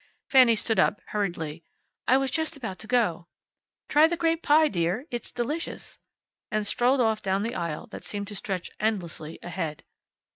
Fanny stood up, hurriedly. "I was just about to go." "Try the grape pie, dear. It's delicious." And strolled off down the aisle that seemed to stretch endlessly ahead.